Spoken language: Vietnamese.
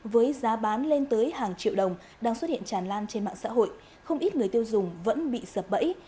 với giá bán lên tới hàng triệu đồng đang xuất hiện tràn lan trên mạng xã hội không ít người tiêu dùng vẫn bị sập bẫy